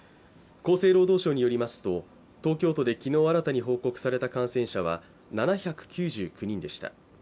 厚生労働省によりますと東京都で昨日新たに報告された感染者は７９９人でした。